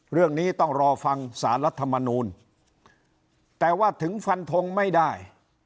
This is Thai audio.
เรื่องนี้ต้องรอฟังสารรัฐมนูลแต่ว่าถึงฟันทงไม่ได้